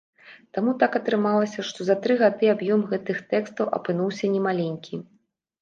Таму так атрымалася, што за тры гады аб'ём гэтых тэкстаў апынуўся не маленькі.